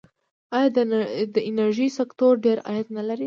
آیا د انرژۍ سکتور ډیر عاید نلري؟